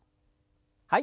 はい。